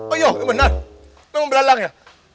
oh iya benar memang belalang ya